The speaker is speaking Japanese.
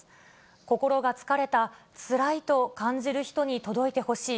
心が疲れた、つらいと感じる人に届いてほしい。